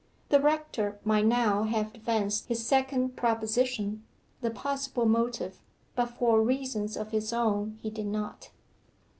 The rector might now have advanced his second proposition the possible motive but for reasons of his own he did not.